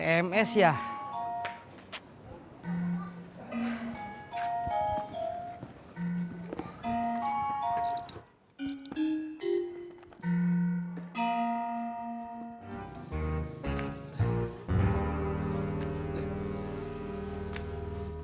karena rasanya udah di as